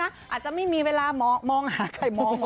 อาจจะไม่มีเวลามองหาใครมอง